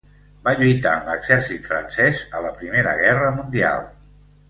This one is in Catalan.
Va lluitar en l'exèrcit francès a la Primera Guerra Mundial.